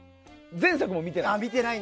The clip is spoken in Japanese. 前作も見てない。